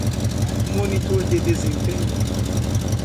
Monitor de desempenho